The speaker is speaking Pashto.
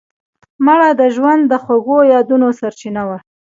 مړه د ژوند د خوږو یادونو سرچینه وه